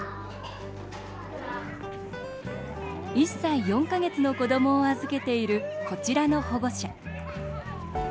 １歳４か月の子どもを預けているこちらの保護者。